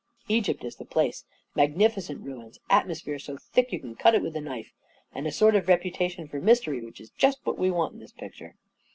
Egypt is the place — magnificent ruins, atmosphere so thick you can cut it with a knife, and a sort of reputation for mystery which is just what we want in this picture."